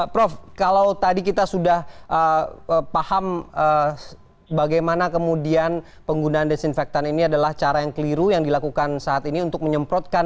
prof kalau tadi kita sudah paham bagaimana kemudian penggunaan desinfektan ini adalah cara yang keliru yang dilakukan saat ini untuk menyemprotkan